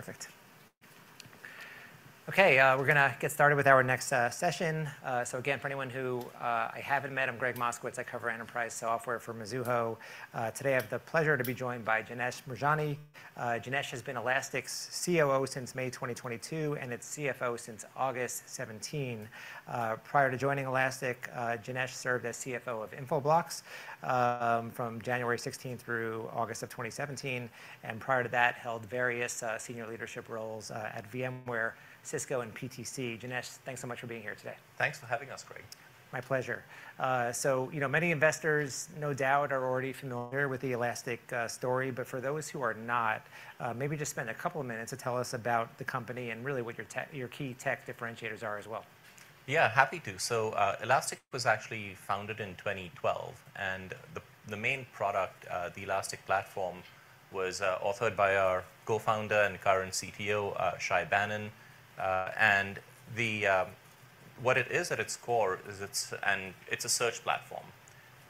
Okay, perfect. Okay, we're gonna get started with our next session. So again, for anyone who I haven't met, I'm Gregg Moskowitz. I cover enterprise software for Mizuho. Today, I have the pleasure to be joined by Janesh Moorjani. Janesh has been Elastic's COO since May 2022, and its CFO since August 2017. Prior to joining Elastic, Janesh served as CFO of Infoblox, from January 2016 through August of 2017, and prior to that, held various senior leadership roles at VMware, Cisco, and PTC. Janesh, thanks so much for being here today. Thanks for having us, Gregg. My pleasure. So you know, many investors, no doubt, are already familiar with the Elastic story, but for those who are not, maybe just spend a couple of minutes to tell us about the company and really what your key tech differentiators are as well. Yeah, happy to. So, Elastic was actually founded in 2012, and the main product, the Elastic Platform, was authored by our co-founder and current CTO, Shay Banon. And the... What it is at its core is it's, and it's a search platform,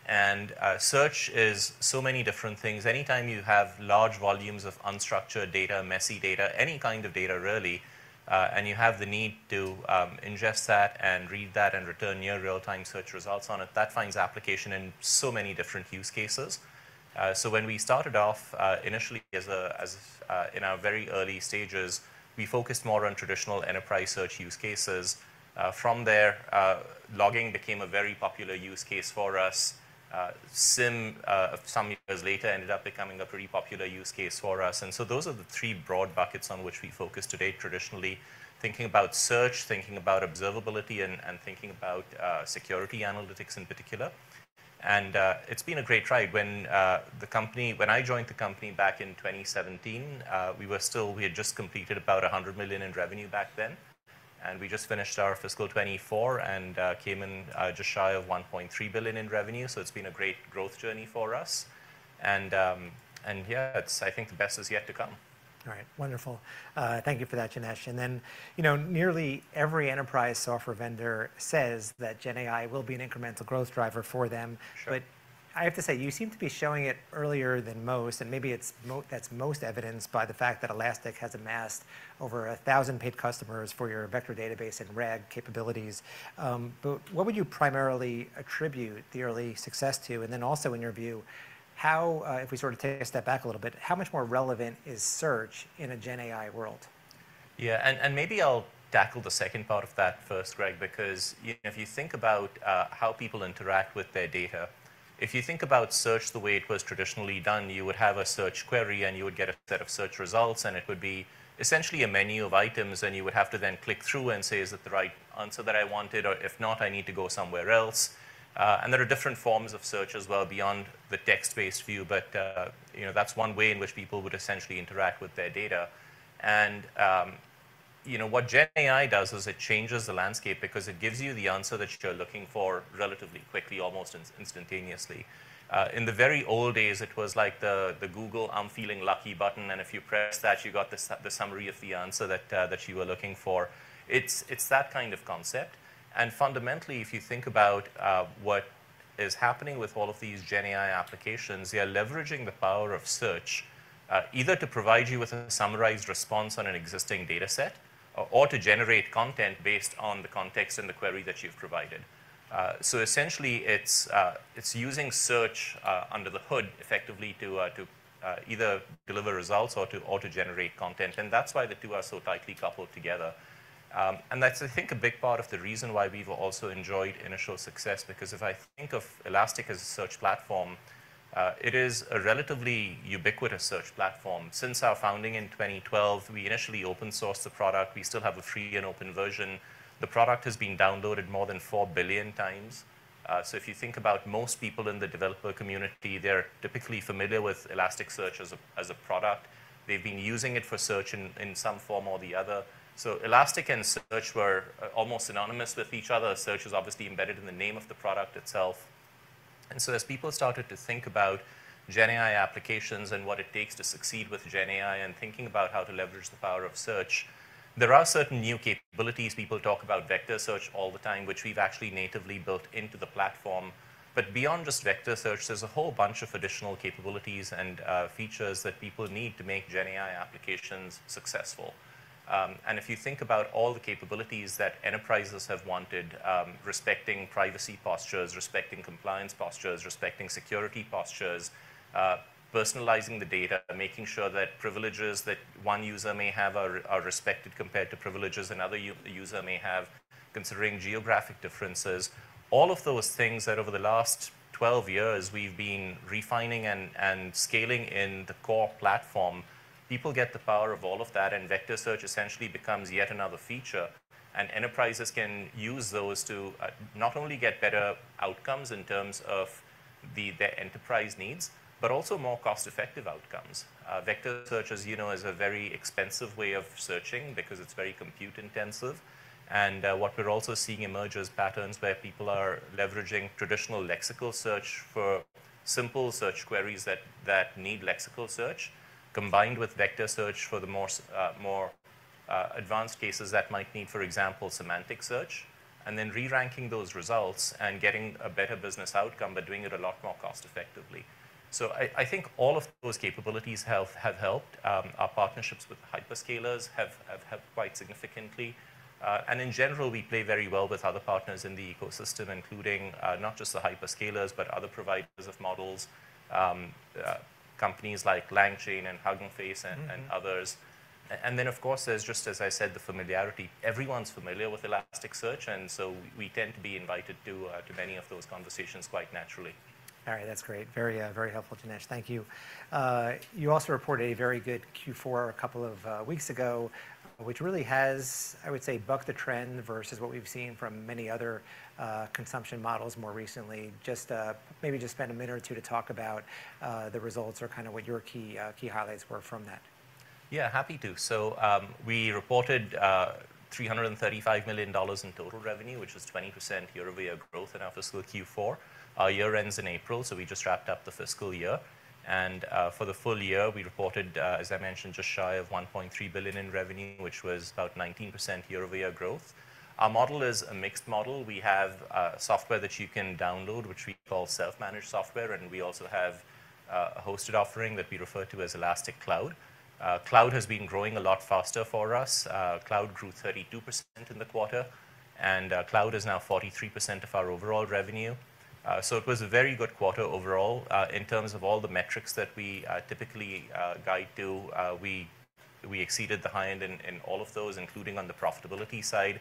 and search is so many different things. Anytime you have large volumes of unstructured data, messy data, any kind of data really, and you have the need to ingest that and read that and return near real-time search results on it, that finds application in so many different use cases. So when we started off, initially, in our very early stages, we focused more on traditional enterprise search use cases. From there, logging became a very popular use case for us. SIEM, some years later, ended up becoming a pretty popular use case for us. And so those are the three broad buckets on which we focus today, traditionally, thinking about search, thinking about observability, and thinking about security analytics in particular. And it's been a great ride. When the company, when I joined the company back in 2017, we were still. We had just completed about $100 million in revenue back then, and we just finished our fiscal 2024 and came in just shy of $1.3 billion in revenue. So it's been a great growth journey for us. And yeah, it's, I think the best is yet to come. All right. Wonderful. Thank you for that, Janesh. And then, you know, nearly every enterprise software vendor says that GenAI will be an incremental growth driver for them. Sure. But I have to say, you seem to be showing it earlier than most, and maybe it's most evidenced by the fact that Elastic has amassed over 1,000 paid customers for your vector database and RAG capabilities. But what would you primarily attribute the early success to? And then also, in your view, how, if we sort of take a step back a little bit, how much more relevant is search in a GenAI world? Yeah, and maybe I'll tackle the second part of that first, Gregg, because if you think about how people interact with their data, if you think about search the way it was traditionally done, you would have a search query, and you would get a set of search results, and it would be essentially a menu of items, and you would have to then click through and say: "Is that the right answer that I wanted? Or if not, I need to go somewhere else." And there are different forms of search as well beyond the text-based view, but you know, that's one way in which people would essentially interact with their data. And you know, what GenAI does is it changes the landscape because it gives you the answer that you're looking for relatively quickly, almost instantaneously. In the very old days, it was like the Google I'm Feeling Lucky button, and if you pressed that, you got the summary of the answer that you were looking for. It's that kind of concept, and fundamentally, if you think about what is happening with all of these GenAI applications, they are leveraging the power of search, either to provide you with a summarized response on an existing data set or to generate content based on the context and the query that you've provided. So essentially, it's using search under the hood, effectively, to either deliver results or to autogenerate content, and that's why the two are so tightly coupled together. And that's, I think, a big part of the reason why we've also enjoyed initial success, because if I think of Elastic as a search platform, it is a relatively ubiquitous search platform. Since our founding in 2012, we initially open-sourced the product. We still have a free and open version. The product has been downloaded more than 4 billion times. So if you think about most people in the developer community, they're typically familiar with Elasticsearch as a product. They've been using it for search in some form or the other. So Elastic and search were almost synonymous with each other. Search is obviously embedded in the name of the product itself. And so as people started to think about GenAI applications and what it takes to succeed with GenAI and thinking about how to leverage the power of search, there are certain new capabilities. People talk about vector search all the time, which we've actually natively built into the platform. But beyond just vector search, there's a whole bunch of additional capabilities and, features that people need to make GenAI applications successful. And if you think about all the capabilities that enterprises have wanted, respecting privacy postures, respecting compliance postures, respecting security postures, personalizing the data, making sure that privileges that one user may have are, are respected compared to privileges another user may have, considering geographic differences, all of those things that over the last 12 years we've been refining and, and scaling in the core platform, people get the power of all of that, and vector search essentially becomes yet another feature. And enterprises can use those to not only get better outcomes in terms of the, their enterprise needs, but also more cost-effective outcomes. Vector search, as you know, is a very expensive way of searching because it's very compute-intensive. And, what we're also seeing emerge is patterns where people are leveraging traditional lexical search for simple search queries that need lexical search, combined with vector search for the more advanced cases that might need, for example, semantic search, and then re-ranking those results and getting a better business outcome, but doing it a lot more cost-effectively. So I think all of those capabilities have helped. Our partnerships with hyperscalers have helped quite significantly. And in general, we play very well with other partners in the ecosystem, including, not just the hyperscalers, but other providers of models, companies like LangChain and Hugging Face and others. Mm-hmm. And then, of course, there's, just as I said, the familiarity. Everyone's familiar with Elasticsearch, and so we tend to be invited to many of those conversations quite naturally. All right. That's great. Very, very helpful, Janesh. Thank you. You also reported a very good Q4 a couple of weeks ago, which really has, I would say, bucked the trend versus what we've seen from many other consumption models more recently. Just, maybe just spend a minute or two to talk about the results or kind of what your key key highlights were from that. Yeah, happy to. So, we reported $335 million in total revenue, which was 20% year-over-year growth in our fiscal Q4. Our year ends in April, so we just wrapped up the fiscal year, and, for the full year, we reported, as I mentioned, just shy of $1.3 billion in revenue, which was about 19% year-over-year growth. Our model is a mixed model. We have software that you can download, which we call self-managed software, and we also have a hosted offering that we refer to as Elastic Cloud. Cloud has been growing a lot faster for us. Cloud grew 32% in the quarter, and, cloud is now 43% of our overall revenue. So it was a very good quarter overall. In terms of all the metrics that we typically guide to, we exceeded the high end in all of those, including on the profitability side.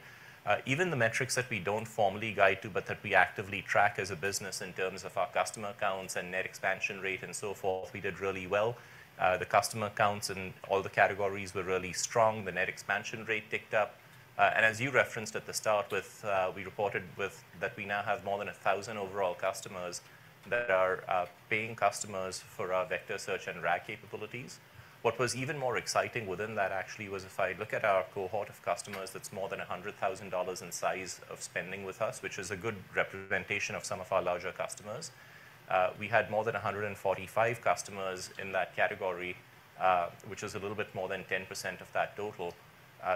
Even the metrics that we don't formally guide to, but that we actively track as a business in terms of our customer counts and net expansion rate and so forth, we did really well. The customer counts in all the categories were really strong. The net expansion rate ticked up. And as you referenced at the start, with, we reported with... that we now have more than 1,000 overall customers that are paying customers for our vector search and RAG capabilities. What was even more exciting within that actually was if I look at our cohort of customers, that's more than $100,000 in size of spending with us, which is a good representation of some of our larger customers. We had more than 145 customers in that category, which is a little bit more than 10% of that total,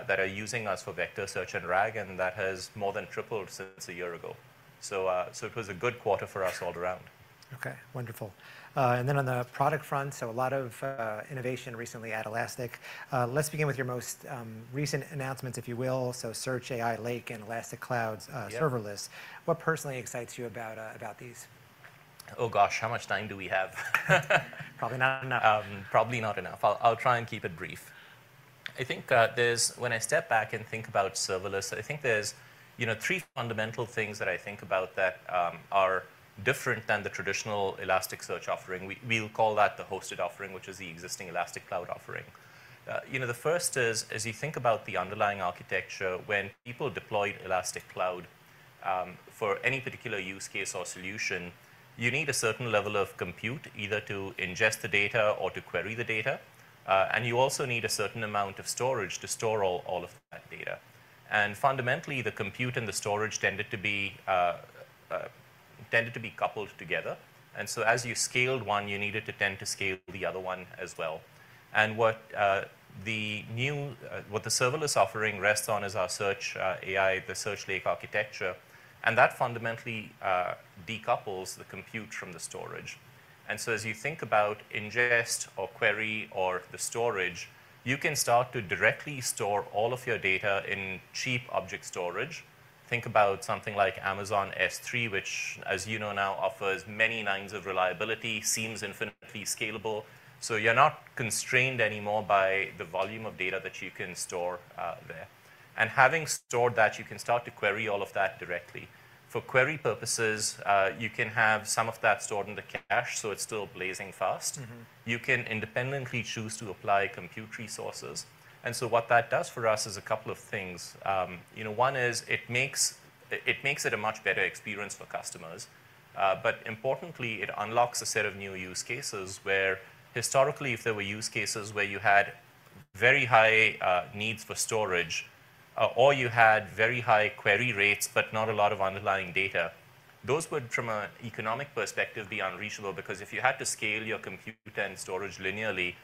that are using us for vector search and RAG, and that has more than tripled since a year ago. So, so it was a good quarter for us all around. Okay, wonderful. And then on the product front, so a lot of innovation recently at Elastic. Let's begin with your most recent announcements, if you will. So Search AI Lake and Elastic Cloud's Yep... Serverless. What personally excites you about these? Oh, gosh, how much time do we have? Probably not enough. Probably not enough. I'll try and keep it brief. I think there's... When I step back and think about Serverless, I think there's, you know, three fundamental things that I think about that are different than the traditional Elasticsearch offering. We'll call that the hosted offering, which is the existing Elastic Cloud offering. You know, the first is, as you think about the underlying architecture, when people deploy Elastic Cloud for any particular use case or solution, you need a certain level of compute, either to ingest the data or to query the data, and you also need a certain amount of storage to store all, all of that data. Fundamentally, the compute and the storage tended to be coupled together, and so as you scaled one, you needed to tend to scale the other one as well. What the Serverless offering rests on is our Search AI Lake architecture, and that fundamentally decouples the compute from the storage. And so as you think about ingest or query or the storage, you can start to directly store all of your data in cheap object storage. Think about something like Amazon S3, which, as you know now, offers many nines of reliability, seems infinitely scalable. So you're not constrained anymore by the volume of data that you can store there. And having stored that, you can start to query all of that directly. For query purposes, you can have some of that stored in the cache, so it's still blazing fast. Mm-hmm. You can independently choose to apply compute resources, and so what that does for us is a couple of things. You know, one is it makes, it makes it a much better experience for customers, but importantly, it unlocks a set of new use cases where historically, if there were use cases where you had very high needs for storage, or you had very high query rates, but not a lot of underlying data, those would, from an economic perspective, be unreachable. Because if you had to scale your compute and storage linearly,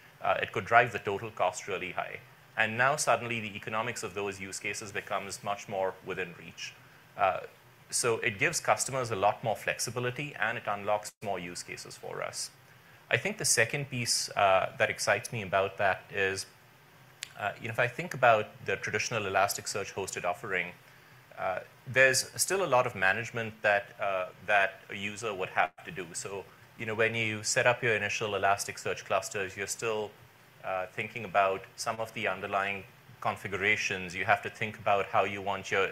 it could drive the total cost really high, and now suddenly, the economics of those use cases becomes much more within reach. So it gives customers a lot more flexibility, and it unlocks more use cases for us. I think the second piece, that excites me about that is, you know, if I think about the traditional Elasticsearch hosted offering, there's still a lot of management that, that a user would have to do. So, you know, when you set up your initial Elasticsearch clusters, you're still, thinking about some of the underlying configurations. You have to think about how you want your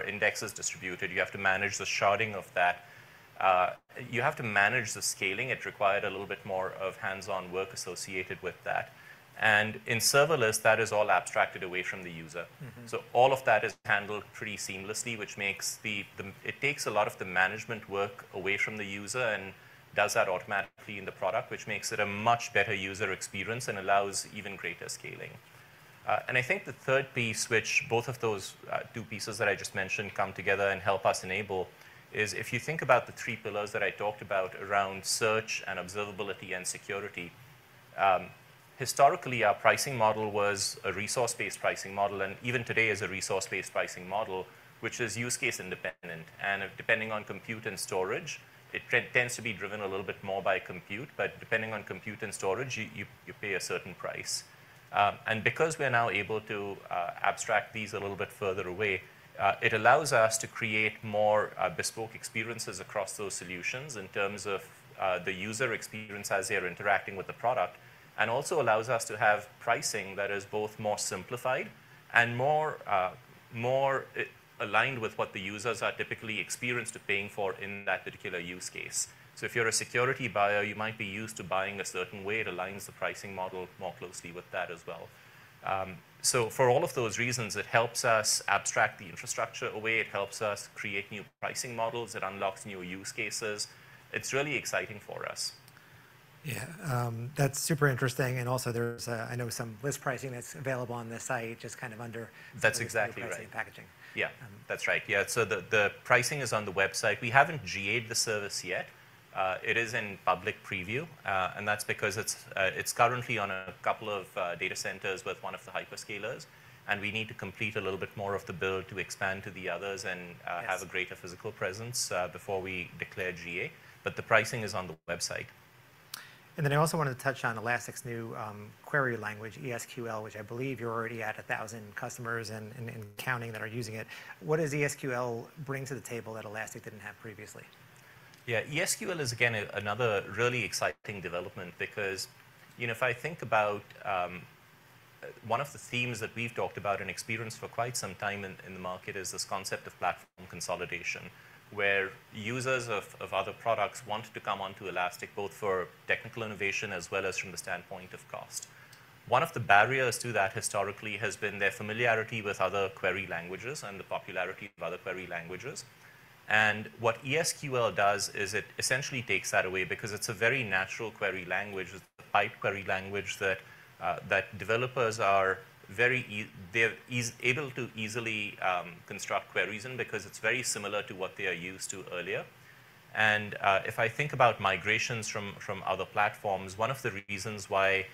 indexes distributed. You have to manage the sharding of that. You have to manage the scaling. It required a little bit more of hands-on work associated with that, and in Serverless, that is all abstracted away from the user. Mm-hmm. So all of that is handled pretty seamlessly, which makes it. It takes a lot of the management work away from the user and does that automatically in the product, which makes it a much better user experience and allows even greater scaling. And I think the third piece, which both of those two pieces that I just mentioned come together and help us enable, is if you think about the three pillars that I talked about around search and observability and security, historically, our pricing model was a resource-based pricing model, and even today is a resource-based pricing model, which is use case independent. And depending on compute and storage, it tends to be driven a little bit more by compute, but depending on compute and storage, you pay a certain price. And because we are now able to abstract these a little bit further away, it allows us to create more bespoke experiences across those solutions in terms of the user experience as they are interacting with the product, and also allows us to have pricing that is both more simplified and more aligned with what the users are typically experienced to paying for in that particular use case. So if you're a security buyer, you might be used to buying a certain way. It aligns the pricing model more closely with that as well. So for all of those reasons, it helps us abstract the infrastructure away, it helps us create new pricing models, it unlocks new use cases. It's really exciting for us. Yeah. That's super interesting, and also there's, I know some list pricing that's available on the site, just kind of under- That's exactly right. Pricing and packaging. Yeah. Um- That's right. Yeah, so the, the pricing is on the website. We haven't GA'd the service yet. It is in public preview, and that's because it's, it's currently on a couple of data centers with one of the hyperscalers, and we need to complete a little bit more of the build to expand to the others and, Yes... have a greater physical presence before we declare GA, but the pricing is on the website. And then I also wanted to touch on Elastic's new query language, ES|QL, which I believe you're already at 1,000 customers and counting that are using it. What does ES|QL bring to the table that Elastic didn't have previously? Yeah, ES|QL is, again, another really exciting development because, you know, if I think about one of the themes that we've talked about and experienced for quite some time in the market is this concept of platform consolidation, where users of other products want to come onto Elastic, both for technical innovation as well as from the standpoint of cost. One of the barriers to that, historically, has been their familiarity with other query languages and the popularity of other query languages. And what ES|QL does is it essentially takes that away because it's a very natural query language. It's a piped query language that developers are very easily able to construct queries in because it's very similar to what they are used to earlier. And, if I think about migrations from, from other platforms, one of the reasons why,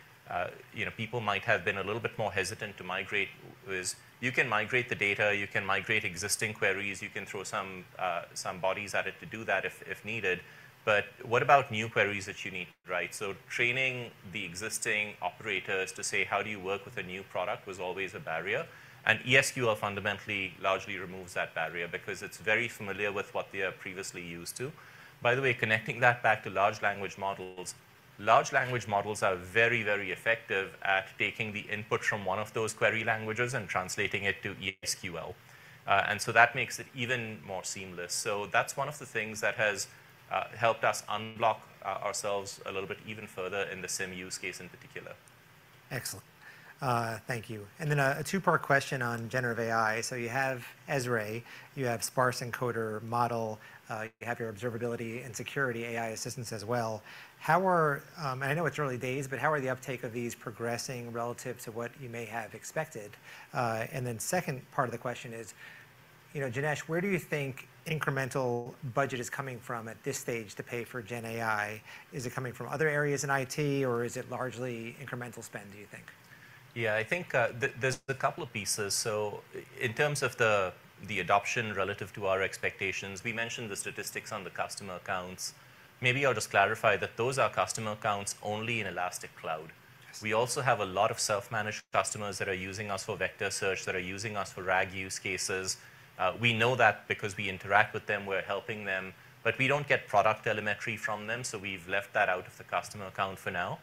you know, people might have been a little bit more hesitant to migrate is you can migrate the data, you can migrate existing queries, you can throw some, some bodies at it to do that if, if needed, but what about new queries that you need to write? So training the existing operators to say, "How do you work with a new product?" was always a barrier, and ES|QL fundamentally largely removes that barrier because it's very familiar with what they are previously used to. By the way, connecting that back to large language models, large language models are very, very effective at taking the input from one of those query languages and translating it to ES|QL. And so that makes it even more seamless. So that's one of the things that has helped us unblock ourselves a little bit even further in the SIEM use case in particular. Excellent. Thank you. Then a two-part question on generative AI. So you have ESRE, you have sparse encoder model, you have your observability and security AI assistants as well. How are... and I know it's early days, but how are the uptake of these progressing relative to what you may have expected? And then second part of the question is, you know, Janesh, where do you think incremental budget is coming from at this stage to pay for GenAI? Is it coming from other areas in IT, or is it largely incremental spend, do you think? Yeah, I think there's a couple of pieces. So in terms of the adoption relative to our expectations, we mentioned the statistics on the customer counts. Maybe I'll just clarify that those are customer counts only in Elastic Cloud. Yes. We also have a lot of self-managed customers that are using us for vector search, that are using us for RAG use cases. We know that because we interact with them, we're helping them, but we don't get product telemetry from them, so we've left that out of the customer count for now.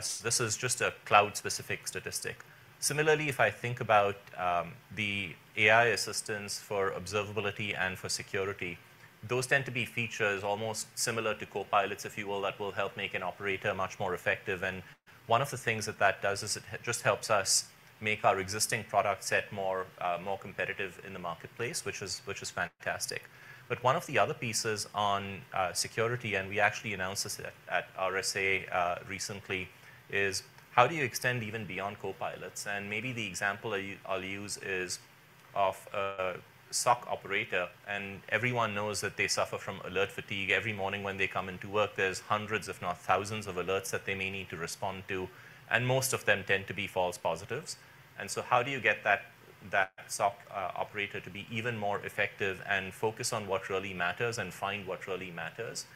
So this is just a cloud-specific statistic. Similarly, if I think about, the AI assistants for observability and for security, those tend to be features almost similar to copilots, if you will, that will help make an operator much more effective. And one of the things that that does is it just helps us make our existing product set more, more competitive in the marketplace, which is, which is fantastic. But one of the other pieces on security, and we actually announced this at RSA recently, is: How do you extend even beyond copilots? And maybe the example I'll use is of a SOC operator, and everyone knows that they suffer from alert fatigue. Every morning when they come into work, there's hundreds, if not thousands, of alerts that they may need to respond to, and most of them tend to be false positives. And so how do you get that SOC operator to be even more effective and focus on what really matters and find what really matters?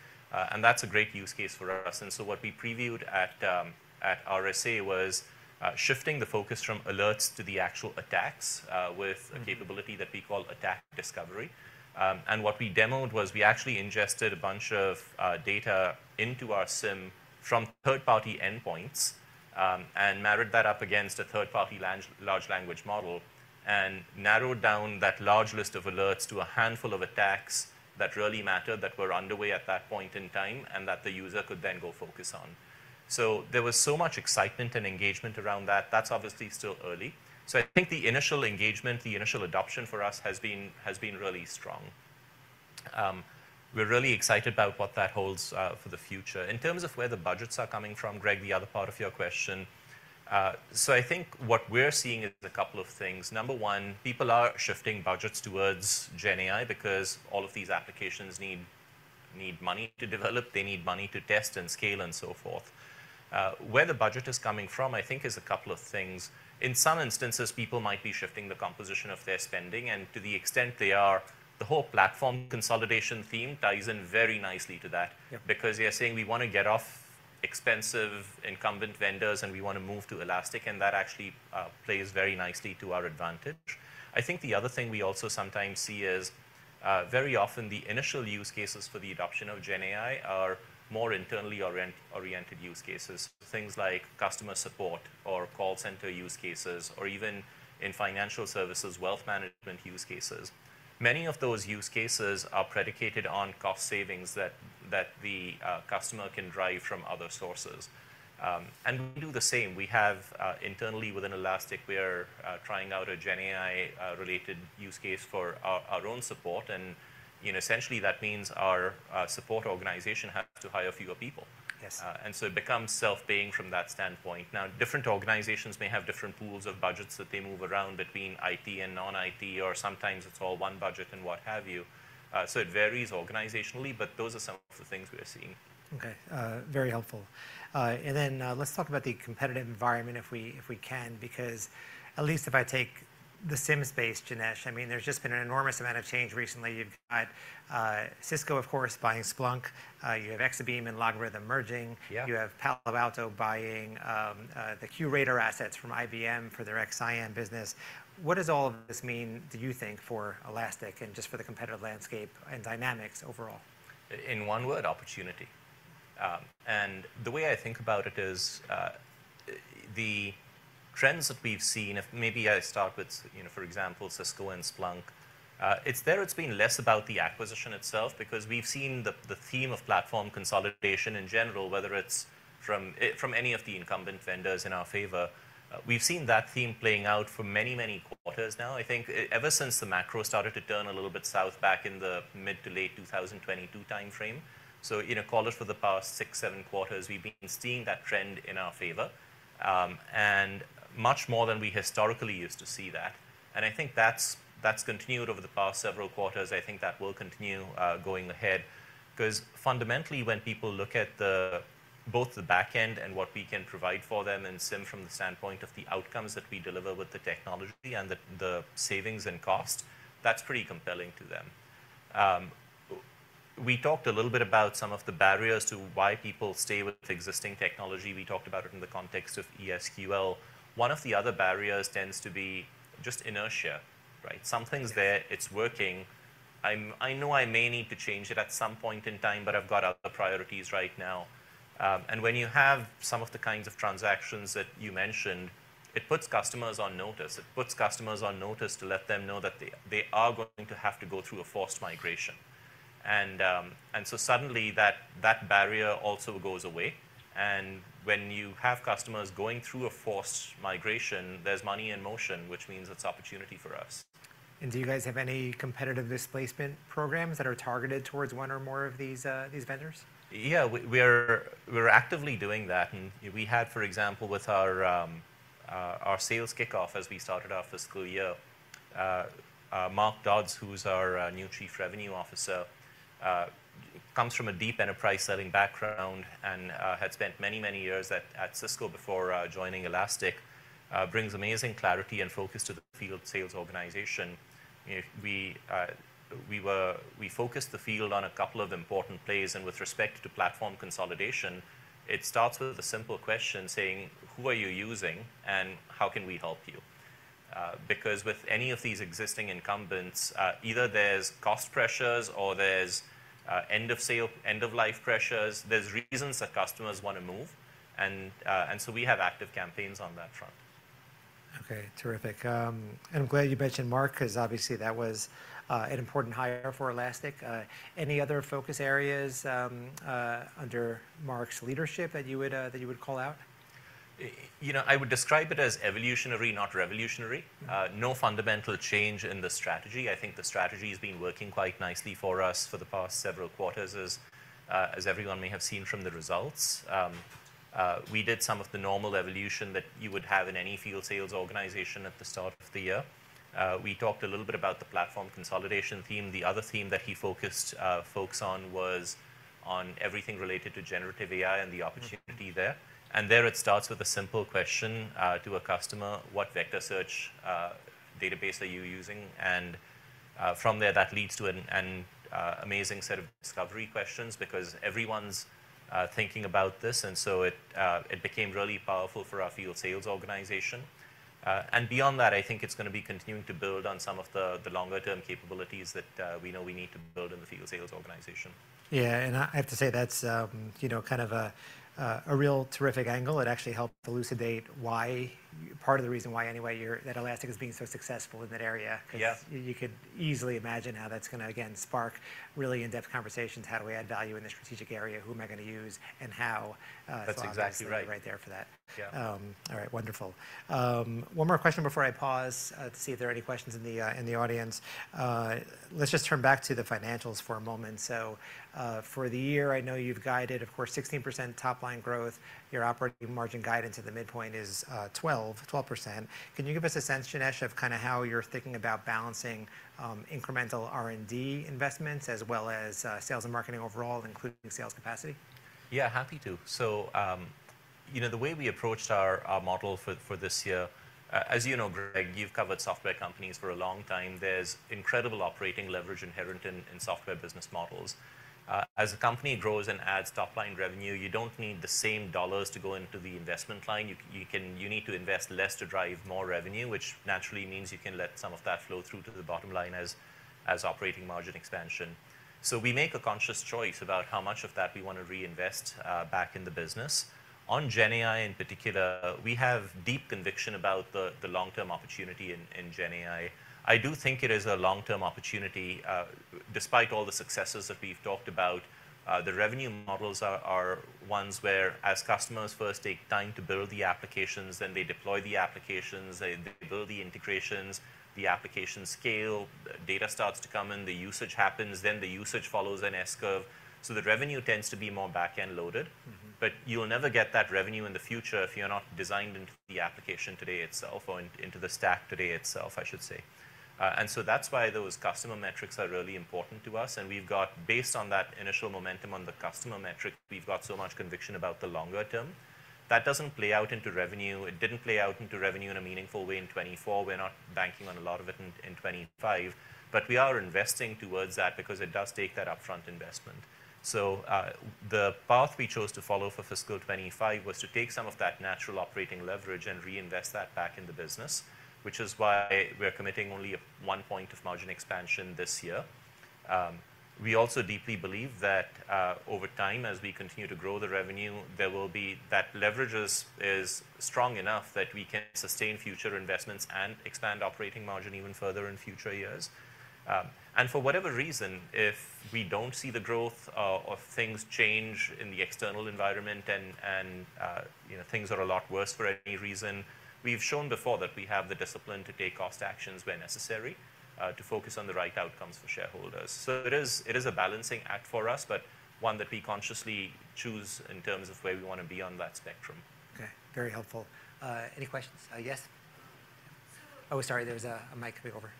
And that's a great use case for us. And so what we previewed at RSA was shifting the focus from alerts to the actual attacks, Mm... with a capability that we call Attack Discovery. And what we demoed was we actually ingested a bunch of data into our SIEM from third-party endpoints, and married that up against a third-party large language model, and narrowed down that large list of alerts to a handful of attacks that really mattered, that were underway at that point in time, and that the user could then go focus on. So there was so much excitement and engagement around that. That's obviously still early. So I think the initial engagement, the initial adoption for us has been, has been really strong. We're really excited about what that holds for the future. In terms of where the budgets are coming from, Gregg, the other part of your question, so I think what we're seeing is a couple of things. Number one, people are shifting budgets towards GenAI because all of these applications need money to develop, they need money to test and scale, and so forth. Where the budget is coming from, I think, is a couple of things. In some instances, people might be shifting the composition of their spending, and to the extent they are, the whole platform consolidation theme ties in very nicely to that. Yeah. Because they are saying: We want to get off expensive incumbent vendors, and we want to move to Elastic, and that actually plays very nicely to our advantage. I think the other thing we also sometimes see is, very often the initial use cases for the adoption of GenAI are more internally oriented use cases. Things like customer support or call center use cases, or even in financial services, wealth management use cases. Many of those use cases are predicated on cost savings that the customer can drive from other sources. And we do the same. We have, internally within Elastic, we are, trying out a GenAI related use case for our own support, and, you know, essentially, that means our support organization has to hire fewer people. Yes. And so it becomes self-paying from that standpoint. Now, different organizations may have different pools of budgets that they move around between IT and non-IT, or sometimes it's all one budget and what have you. So it varies organizationally, but those are some of the things we are seeing. Okay, very helpful. And then, let's talk about the competitive environment if we can, because at least if I take the SIEM space, Janesh, I mean, there's just been an enormous amount of change recently. You've got, Cisco, of course, buying Splunk, you have Exabeam and LogRhythm merging. Yeah. You have Palo Alto buying the QRadar assets from IBM for their XSIAM business. What does all of this mean, do you think, for Elastic and just for the competitive landscape and dynamics overall? In one word: opportunity. And the way I think about it is, the trends that we've seen. If maybe I start with, you know, for example, Cisco and Splunk. It's, it's been less about the acquisition itself because we've seen the, the theme of platform consolidation in general, whether it's from from any of the incumbent vendors in our favor. We've seen that theme playing out for many, many quarters now. I think ever since the macro started to turn a little bit south back in the mid to late 2022 timeframe. So in a quarter for the past six, seven quarters, we've been seeing that trend in our favor, and much more than we historically used to see that. And I think that's, that's continued over the past several quarters. I think that will continue, going ahead. 'Cause fundamentally, when people look at both the back end and what we can provide for them, and SIEM from the standpoint of the outcomes that we deliver with the technology and the savings and cost, that's pretty compelling to them. We talked a little bit about some of the barriers to why people stay with existing technology. We talked about it in the context of ES|QL. One of the other barriers tends to be just inertia, right? Yeah. Something's there, it's working. I know I may need to change it at some point in time, but I've got other priorities right now. When you have some of the kinds of transactions that you mentioned, it puts customers on notice. It puts customers on notice to let them know that they, they are going to have to go through a forced migration. And so suddenly, that, that barrier also goes away, and when you have customers going through a forced migration, there's money in motion, which means it's opportunity for us. Do you guys have any competitive displacement programs that are targeted towards one or more of these vendors? Yeah. We're actively doing that, and we had, for example, with our sales kickoff as we started our fiscal year. Mark Dodds, who's our new Chief Revenue Officer, comes from a deep enterprise selling background and had spent many, many years at Cisco before joining Elastic. Brings amazing clarity and focus to the field sales organization. We focused the field on a couple of important plays, and with respect to platform consolidation, it starts with a simple question, saying: Who are you using, and how can we help you? Because with any of these existing incumbents, either there's cost pressures or there's end-of-sale, end-of-life pressures, there's reasons that customers want to move, and so we have active campaigns on that front. Okay, terrific. I'm glad you mentioned Mark, 'cause obviously, that was an important hire for Elastic. Any other focus areas under Mark's leadership that you would call out? You know, I would describe it as evolutionary, not revolutionary. Mm-hmm. No fundamental change in the strategy. I think the strategy has been working quite nicely for us for the past several quarters as, as everyone may have seen from the results. We did some of the normal evolution that you would have in any field sales organization at the start of the year. We talked a little bit about the platform consolidation theme. The other theme that he focused, folks on was on everything related to generative AI and the opportunity there. Mm-hmm. And there, it starts with a simple question to a customer: What vector search database are you using? And from there, that leads to an amazing set of discovery questions because everyone's thinking about this, and so it became really powerful for our field sales organization. And beyond that, I think it's gonna be continuing to build on some of the longer-term capabilities that we know we need to build in the field sales organization. Yeah, and I, I have to say that's, you know, kind of a, a real terrific angle. It actually helped elucidate why... Part of the reason why, anyway, you're, that Elastic is being so successful in that area. Yeah. 'Cause you could easily imagine how that's gonna, again, spark really in-depth conversations: How do we add value in this strategic area? Who am I gonna use, and how? That's exactly right. So obviously, right there for that. Yeah. All right. Wonderful. One more question before I pause to see if there are any questions in the audience. Let's just turn back to the financials for a moment. So, for the year, I know you've guided, of course, 16% top-line growth. Your operating margin guidance at the midpoint is 12, 12%. Can you give us a sense, Janesh, of kind of how you're thinking about balancing incremental R&D investments, as well as sales and marketing overall, including sales capacity? Yeah, happy to. So, you know, the way we approached our model for this year, as you know, Gregg, you've covered software companies for a long time. There's incredible operating leverage inherent in software business models. As a company grows and adds top-line revenue, you don't need the same dollars to go into the investment line. You need to invest less to drive more revenue, which naturally means you can let some of that flow through to the bottom line as operating margin expansion. So we make a conscious choice about how much of that we wanna reinvest back in the business. On GenAI, in particular, we have deep conviction about the long-term opportunity in GenAI. I do think it is a long-term opportunity. Despite all the successes that we've talked about, the revenue models are ones where as customers first take time to build the applications, then they deploy the applications, they build the integrations, the application scale, data starts to come in, the usage happens, then the usage follows an S-curve. So the revenue tends to be more back-end loaded. Mm-hmm. But you'll never get that revenue in the future if you're not designed into the application today itself or into the stack today itself, I should say. And so that's why those customer metrics are really important to us, and we've got... Based on that initial momentum on the customer metric, we've got so much conviction about the longer term. That doesn't play out into revenue. It didn't play out into revenue in a meaningful way in 2024. We're not banking on a lot of it in 2025, but we are investing towards that because it does take that upfront investment. So, the path we chose to follow for fiscal 2025 was to take some of that natural operating leverage and reinvest that back in the business, which is why we're committing only one point of margin expansion this year. We also deeply believe that over time, as we continue to grow the revenue, there will be that leverage is strong enough that we can sustain future investments and expand operating margin even further in future years. And for whatever reason, if we don't see the growth, or things change in the external environment and you know, things are a lot worse for any reason, we've shown before that we have the discipline to take cost actions where necessary to focus on the right outcomes for shareholders. So it is a balancing act for us, but one that we consciously choose in terms of where we wanna be on that spectrum. Okay, very helpful. Any questions? Yes. Oh, sorry, there's a mic coming over.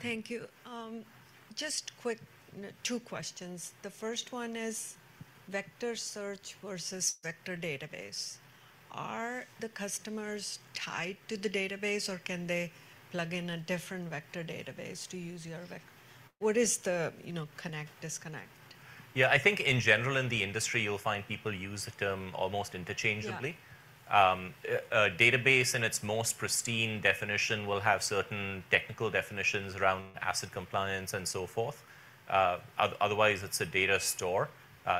Thank you. Just quick, two questions. The first one is vector search versus vector database. Are the customers tied to the database, or can they plug in a different vector database to use your vector, what is the, you know, connect, disconnect? Yeah, I think in general, in the industry, you'll find people use the term almost interchangeably. Yeah. A database in its most pristine definition will have certain technical definitions around asset compliance and so forth. Otherwise, it's a data store.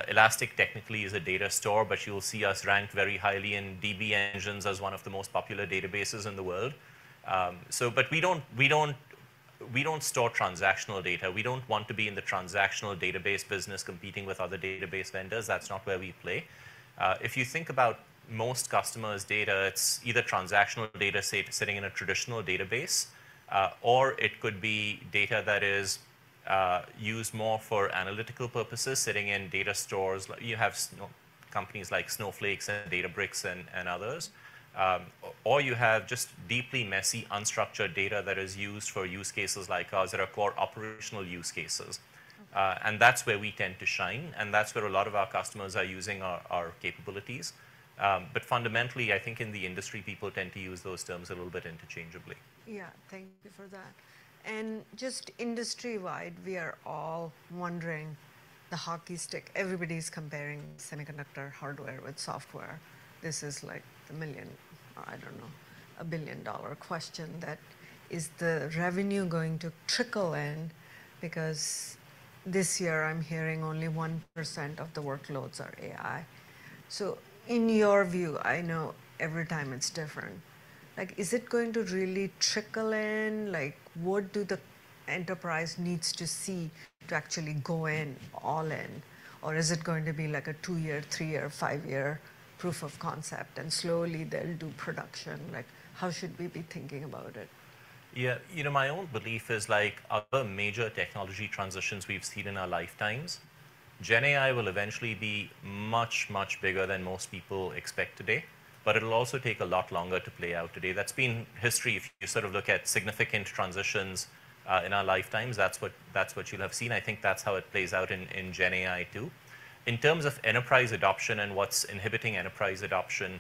Elastic technically is a data store, but you'll see us ranked very highly in DB-Engines as one of the most popular databases in the world. So but we don't, we don't, we don't store transactional data. We don't want to be in the transactional database business competing with other database vendors. That's not where we play. If you think about most customers' data, it's either transactional data, say, sitting in a traditional database, or it could be data that is used more for analytical purposes, sitting in data stores. You have companies like Snowflake and Databricks and others. Or you have just deeply messy, unstructured data that is used for use cases like ours, that are core operational use cases. Okay. And that's where we tend to shine, and that's where a lot of our customers are using our capabilities. But fundamentally, I think in the industry, people tend to use those terms a little bit interchangeably. Yeah. Thank you for that. And just industry-wide, we are all wondering, the hockey stick. Everybody's comparing semiconductor hardware with software. This is like a million, or I don't know, a billion-dollar question, that is the revenue going to trickle in? Because this year I'm hearing only 1% of the workloads are AI. So in your view, I know every time it's different, like, is it going to really trickle in? Like, what do the enterprise needs to see to actually go in, all in? Or is it going to be like a two-year, three-year, five-year proof of concept, and slowly they'll do production? Like, how should we be thinking about it? Yeah, you know, my own belief is like other major technology transitions we've seen in our lifetimes, GenAI will eventually be much, much bigger than most people expect today, but it'll also take a lot longer to play out today. That's been history. If you sort of look at significant transitions in our lifetimes, that's what, that's what you'll have seen. I think that's how it plays out in GenAI, too. In terms of enterprise adoption and what's inhibiting enterprise adoption,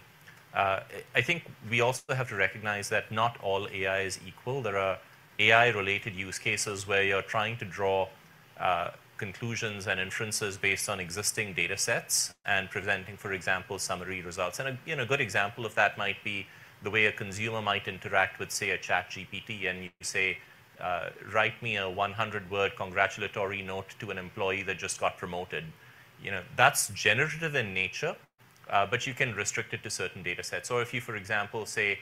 I think we also have to recognize that not all AI is equal. There are AI-related use cases where you're trying to draw conclusions and inferences based on existing datasets and presenting, for example, summary results. And, you know, a good example of that might be the way a consumer might interact with, say, a ChatGPT, and you say, "Write me a 100-word congratulatory note to an employee that just got promoted." You know, that's generative in nature, but you can restrict it to certain datasets. Or if you, for example, say,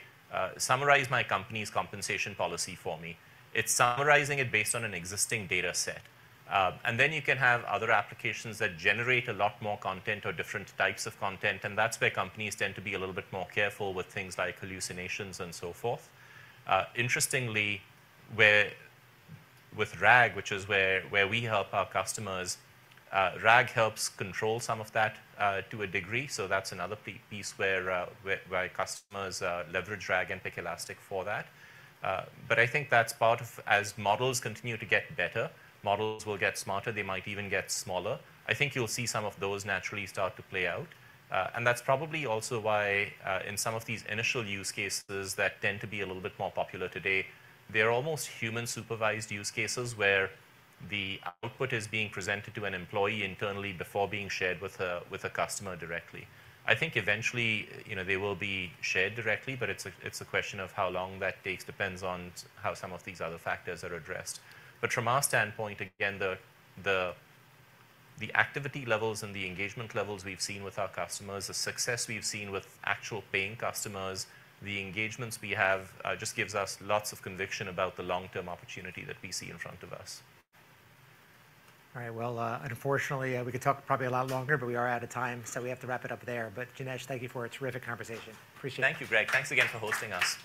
"Summarize my company's compensation policy for me," it's summarizing it based on an existing dataset. And then you can have other applications that generate a lot more content or different types of content, and that's where companies tend to be a little bit more careful with things like hallucinations and so forth. Interestingly, with RAG, which is where we help our customers, RAG helps control some of that, to a degree. So that's another piece where customers leverage RAG and pick Elastic for that. But I think that's part of... As models continue to get better, models will get smarter. They might even get smaller. I think you'll see some of those naturally start to play out, and that's probably also why, in some of these initial use cases that tend to be a little bit more popular today, they're almost human-supervised use cases, where the output is being presented to an employee internally before being shared with a customer directly. I think eventually, you know, they will be shared directly, but it's a question of how long that takes, depends on how some of these other factors are addressed. From our standpoint, again, the activity levels and the engagement levels we've seen with our customers, the success we've seen with actual paying customers, the engagements we have just gives us lots of conviction about the long-term opportunity that we see in front of us. All right. Well, unfortunately, we could talk probably a lot longer, but we are out of time, so we have to wrap it up there. But Janesh, thank you for a terrific conversation. Appreciate it. Thank you, Gregg. Thanks again for hosting us.